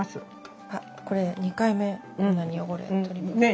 あこれ２回目こんなに汚れ取れ。ね！